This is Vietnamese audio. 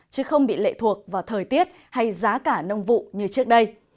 chứ không bị lệ thuộc vào thời tiết hay giá cả nông vụ như trước đây